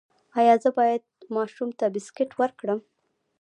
ایا زه باید ماشوم ته بسکټ ورکړم؟